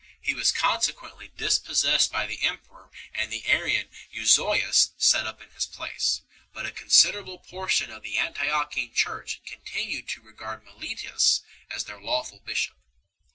He was consequently dispossessed by the emperor and the Arian Euzo ius set up in his place ; but a considerable portion of the Antiochene church continued to regard Meletius as I their lawful bishop.